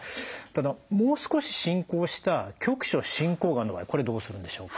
ただもう少し進行した局所進行がんの場合これどうするんでしょう？